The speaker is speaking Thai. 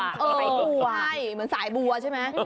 เคยดูใช่เหมือนสายบัวใช่ไหม